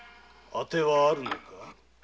当てはあるのか？